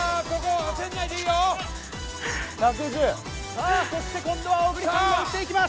さあそして今度は小栗さんが打っていきます！